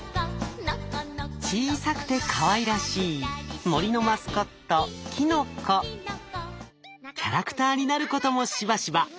小さくてかわいらしい森のマスコットキャラクターになることもしばしば。